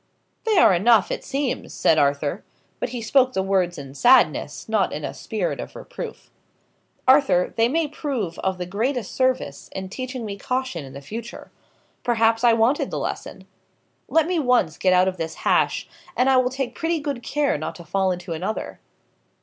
"They are enough, it seems," said Arthur. But he spoke the words in sadness, not in a spirit of reproof. "Arthur, they may prove of the greatest service, in teaching me caution for the future. Perhaps I wanted the lesson. Let me once get out of this hash, and I will take pretty good care not to fall into another."